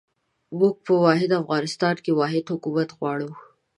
موږ په واحد افغانستان کې واحد حکومت غواړو.